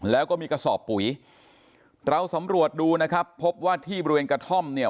แล้วก็มีกระสอบปุ๋ยเราสำรวจดูนะครับพบว่าที่บริเวณกระท่อมเนี่ย